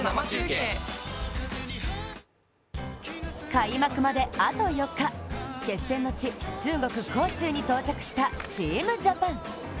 開幕まであと４日、決戦の地中国・杭州に到着したチームジャパン。